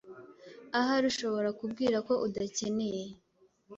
Ahari ushobora kubwira ko udakeneye.